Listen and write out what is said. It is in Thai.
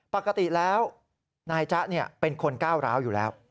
ปกติแล้วนายจ๊ะเป็นคนก้าวร้าวอยู่แล้ว